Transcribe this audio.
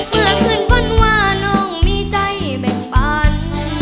เมื่อคืนฝันว่าน้องมีใจแบ่งปัน